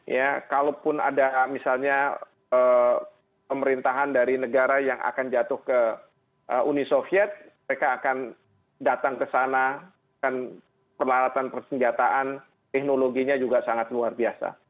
ya kalaupun ada misalnya pemerintahan dari negara yang akan jatuh ke uni soviet mereka akan datang ke sana akan peralatan persenjataan teknologinya juga sangat luar biasa